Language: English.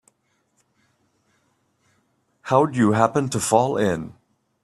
How'd you happen to fall in?